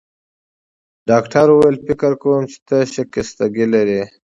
ډاکټر وویل: فکر کوم چي ته شکستګي لرې.